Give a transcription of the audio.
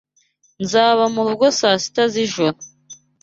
Nzaba murugo saa sita z'ijoro.